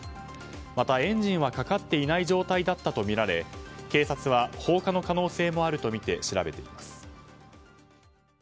また、エンジンはかかっていない状態だったとみられ警察は放火の可能性もあるとみて調べています。